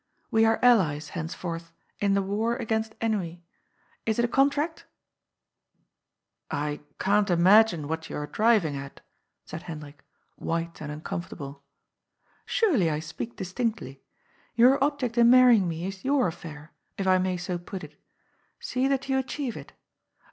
We are allies, henceforth, in the war against ennui. Is it a contract ?" *'I can't imagine what you are driving at?" said Hen drik, white and uncomfortable. " Surely I speak distinctly. Your object in marrying me is your affair, if I may so put it. See that you achieve it.